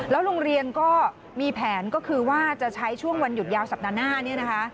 โรงเรียนก็มีแผนก็คือว่าจะใช้ช่วงวันหยุดยาวสัปดาห์หน้าเนี่ยนะคะ